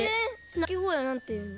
鳴き声はなんていうの？